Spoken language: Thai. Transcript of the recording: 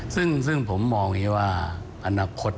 ซึ่งผมมองนี่ว่านาคต